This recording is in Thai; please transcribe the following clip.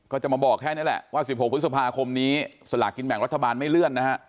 ก็จะมาบอกแค่นี้แหละว่า๑๖พฤษภาคมนี้สลากกินแบ่งรัฐบาลไม่เลื่อนนะฮะ